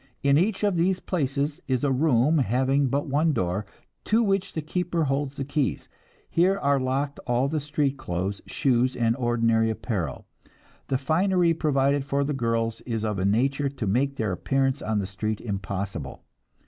In each of these places is a room having but one door, to which the keeper holds the key. Here are locked all the street clothes, shoes and ordinary apparel.... The finery provided for the girls is of a nature to make their appearance on the street impossible.